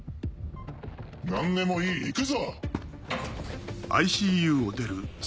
何でもいい行くぞ！